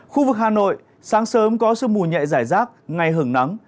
khu vực hà nội sáng sớm có sự mù nhẹ rải rác ngày hưởng nắng